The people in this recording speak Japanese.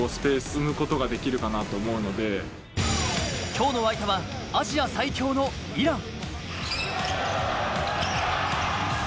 今日の相手はアジア最強のイラン。